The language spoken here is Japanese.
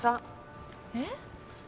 えっ？